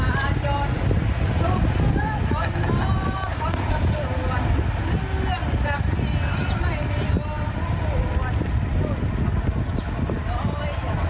ลุงรักเจ้าลูกสาวลูกสาว